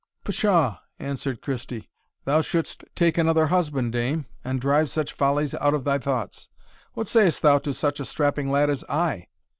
"Pshaw!" answered Christie, "thou shouldst take another husband, dame, and drive such follies out of thy thoughts what sayst thou to such a strapping lad as I?